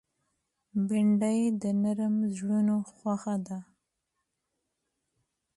بېنډۍ د نرم زړونو خوښه ده